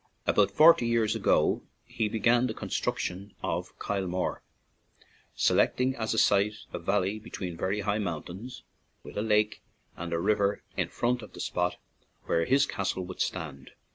About forty years ago he began the construc tion of Kylemore, selecting as a site a valley between very high mountains, 75 ON AN IRISH JAUNTING CAR with a lake and river in front of the spot where his castle would stand.